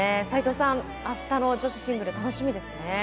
斎藤さん、あしたの女子シングル楽しみですね。